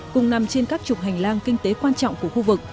cùng nằm trên các trục hành lang kinh tế quan trọng của khu vực